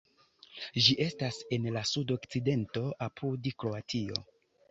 Ĝi estas en la sudokcidento apud Kroatio.